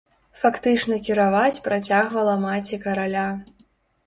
Фактычна кіраваць працягвала маці караля.